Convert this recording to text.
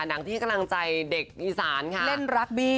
หนังที่กำลังใจเด็กอีสานค่ะเล่นรักบี้